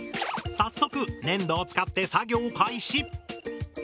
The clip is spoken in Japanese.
早速粘土を使って作業開始。